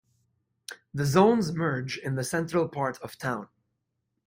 The zones merge in the central part of town.